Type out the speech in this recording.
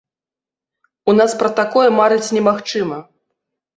У нас пра такое марыць немагчыма!